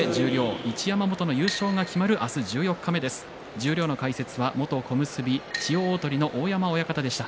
十両の解説は元小結千代鳳の大山親方でした。